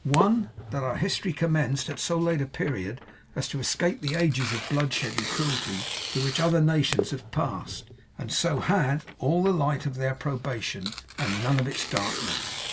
'One, that our history commenced at so late a period as to escape the ages of bloodshed and cruelty through which other nations have passed; and so had all the light of their probation, and none of its darkness.